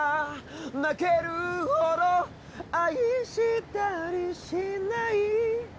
泣けるほど愛したりしない